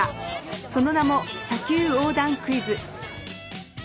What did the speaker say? その名も「砂丘横断クイズ」。